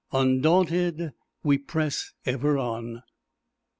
Undaunted we press ever on.